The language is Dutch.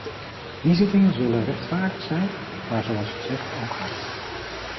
Die zittingen zullen rechtvaardig zijn, maar zoals gezegd ook hard.